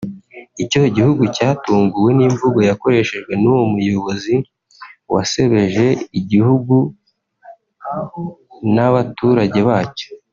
Icyo gihugu cyatunguwe n’imvugo yakoreshwejwe n’uwo muyobozi wasebeje igihugu n’abaturage bacyo